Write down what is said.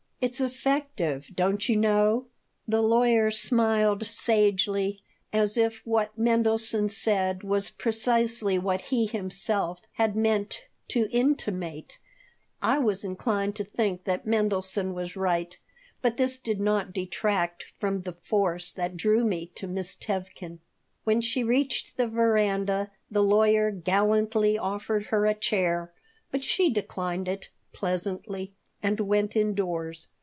It's effective, don't you know." The lawyer smiled sagely, as if what Mendelson said was precisely what he himself had meant to intimate I was inclined to think that Mendelson was right, but this did not detract from the force that drew me to Miss Tevkin When she reached the veranda the lawyer gallantly offered her a chair, but she declined it, pleasantly, and went indoors.